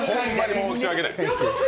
申し訳ない。